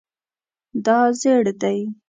دا زیړ دی